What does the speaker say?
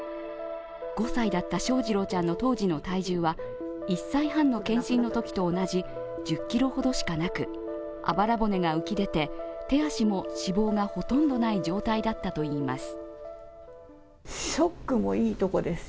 ５歳だった翔士郎ちゃんの当時の体重は１歳半の健診のときと同じ１０ｋｇほどしかなくあばら骨が浮き出て、手足も脂肪がほとんどない状態だったといいます。